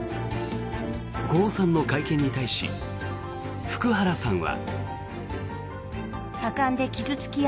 コウさんの会見に対し福原さんは。